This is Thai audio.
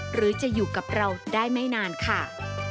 หรือจะอยู่กับเราได้ไม่นานค่ะ